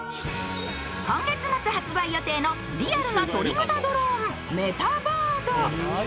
今月末発売予定のリアルな鳥型ドローンメタバード。